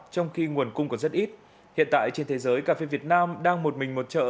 trong khi nguồn cung còn rất ít hiện tại trên thế giới cà phê việt nam đang một mình một chợ